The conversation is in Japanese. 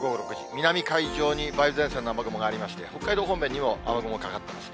南海上に梅雨前線の雨雲がありまして、北海道方面にも雨雲かかってます。